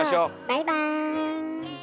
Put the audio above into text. バイバーイ。